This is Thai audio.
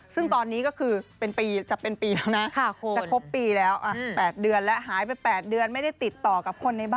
ซึ่งตอนนี้ก็คือจะเป็นปีแล้วนะ